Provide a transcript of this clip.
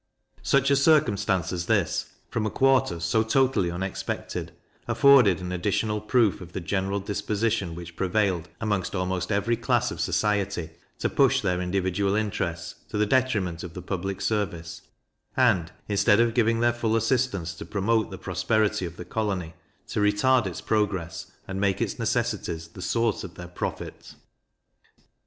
Such a circumstance as this, from a quarter so totally unexpected, afforded an additional proof of the general disposition which prevailed amongst almost every class of society to push their individual interests, to the detriment of the public service; and, instead of giving their full assistance to promote the prosperity of the colony, to retard its progress, and make its necessities the source of their profit.